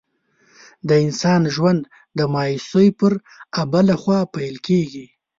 د انسان ژوند د مایوسۍ پر آبله خوا پیل کېږي.